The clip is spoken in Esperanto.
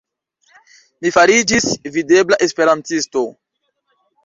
Mi fariĝis videbla esperantisto.